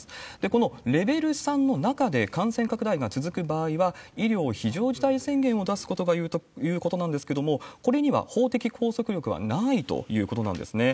このレベル３の中で感染拡大が続く場合は、医療非常事態宣言を出すことができるということなんですけれども、これには法的拘束力はないということなんですね。